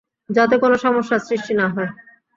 যাতে কোনো সমস্যার সৃষ্টি না হয়।